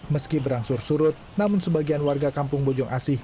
meski berangsur surut namun sebagian warga kampung bojong asih